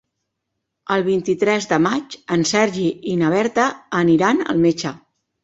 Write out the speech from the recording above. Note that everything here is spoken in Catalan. El vint-i-tres de maig en Sergi i na Berta aniran al metge.